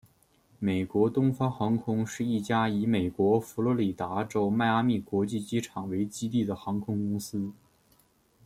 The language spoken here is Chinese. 美国东方航空是一家以美国佛罗里达州迈阿密国际机场为基地的航空公司。